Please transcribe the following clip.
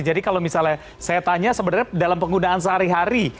jadi kalau misalnya saya tanya sebenarnya dalam penggunaan sehari hari